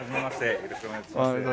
よろしくお願いします。